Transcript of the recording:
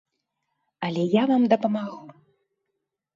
Але я вам дапамагу.